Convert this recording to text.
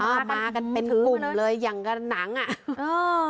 มากันเป็นกลุ่มเลยอย่างกับหนังอ่ะเออ